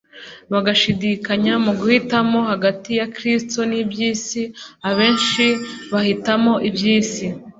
bagashidikanya mu guhitamo hagati ya Kristo n'iby'isi, abenshi bahitamo iby'isi.